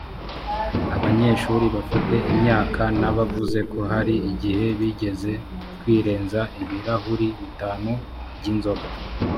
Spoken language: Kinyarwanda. abanyeshuri bafite imyaka na bavuze ko hari igihe bigeze kwirenza ibirahuri bitanu by inzoga